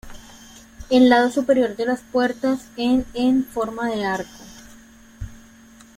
El lado superior de las puertas en en forma de arco.